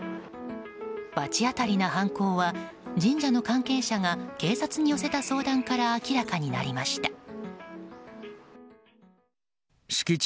罰当たりな犯行は神社の関係者が警察に寄せた相談から明らかになりました。